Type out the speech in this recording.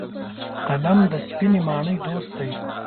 قلم د سپینې پاڼې دوست دی